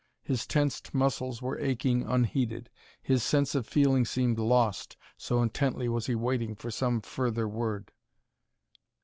His tensed muscles were aching unheeded; his sense of feeling seemed lost, so intently was he waiting for some further word.